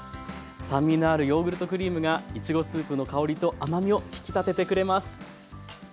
酸味のあるヨーグルトクリームがいちごスープの香りと甘みを引き立ててくれます。